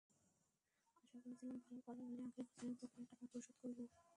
আশা করেছিলাম, ভালো ফলন হলে আগের বছরের বকেয়া টাকা পরিশোধ করব।